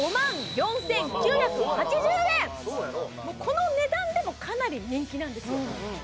この値段でもかなり人気なんですよ